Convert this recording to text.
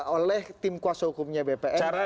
oleh tim kuasa hukumnya bpn